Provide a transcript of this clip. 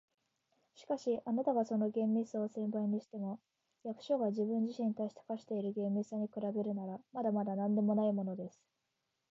「しかし、あなたがその厳密さを千倍にしても、役所が自分自身に対して課している厳密さに比べるなら、まだまだなんでもないものです。